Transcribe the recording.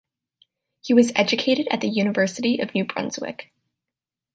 He was educated at the University of New Brunswick.